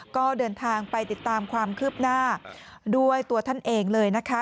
ก็เดินทางไปติดตามความคืบหน้าด้วยตัวท่านเองเลยนะคะ